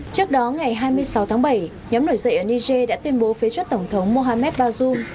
trước đó ngày hai mươi sáu tháng bảy nhóm nổi dậy ở niger đã tuyên bố phế chuất tổng thống mohamed bazoum